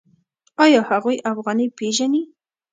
آیا هغوی افغانۍ پیژني؟